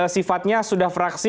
sifatnya sudah fraksi